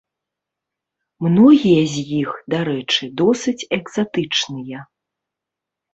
Многія з іх, дарэчы, досыць экзатычныя.